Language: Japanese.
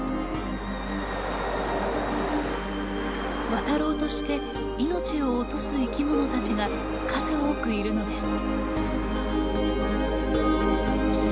渡ろうとして命を落とす生き物たちが数多くいるのです。